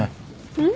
うん？